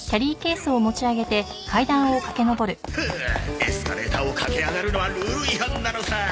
フッエスカレーターを駆け上がるのはルール違反なのさ